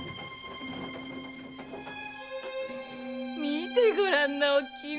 見てごらんなおきみ